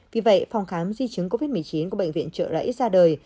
vì vậy phòng khám di chứng covid một mươi chín của bệnh viện trợ rẫy ra đời